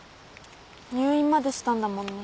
入院までしたんだもんね。